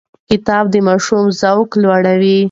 کتاب د ماشوم ذوق لوړوي.